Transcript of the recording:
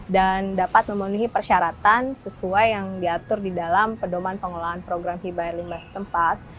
dan dapat memenuhi persyaratan sesuai yang diatur di dalam pedoman pengelolaan program hiba air limbas tempat